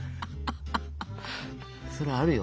それあるよ。